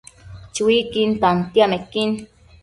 Chuiquin tantiamequin